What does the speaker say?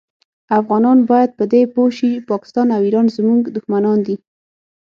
افغانان باید په دي پوه شي پاکستان او ایران زمونږ دوښمنان دي